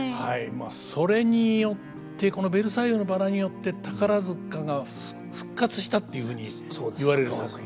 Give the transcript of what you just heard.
まあそれによってこの「ベルサイユのばら」によって宝塚が復活したっていうふうに言われる作品ですね。